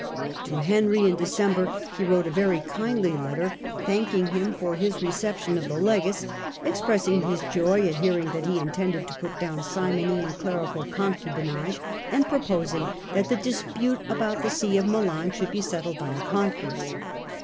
To Henry, in December, he wrote a very kindly letter, thanking him for his recep tion of the legates, expressing his joy at hearing that he intended to put down simony and clerical concubinage, and proposing that the dispute about the see of Milan should be settled by a conference.